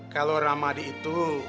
kalau ramadi itu